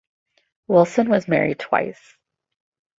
Wilson was married twice.